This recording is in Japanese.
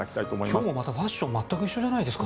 今日もファッション全く一緒じゃないですか。